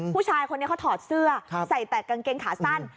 ผู้ชายคนนี้เขาถอดเสื้อใส่แต่กางเกงขาสั้น